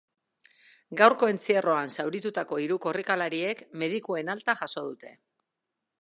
Gaurko entzierroan zauritutako hiru korrikalariek medikuen alta jaso dute.